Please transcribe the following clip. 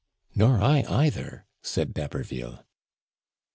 " Nor I either," said D'Haberville.